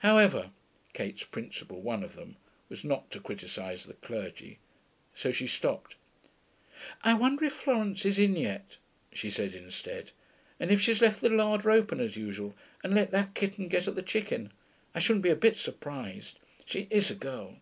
However.' Kate's principle (one of them) was not to criticise the clergy, so she stopped. 'I wonder if Florence is in yet,' she said instead, 'and if she's left the larder open, as usual, and let that kitten get at the chicken? I shouldn't be a bit surprised. She is a girl.'